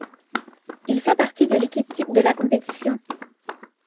Il fait partie de l'équipe type de la compétition.